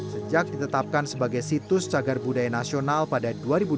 sejak ditetapkan sebagai situs cagar budaya nasional pada dua ribu dua belas